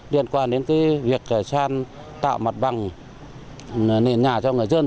liên quan đến cái việc sàn tạo mặt bằng nền nhà cho người dân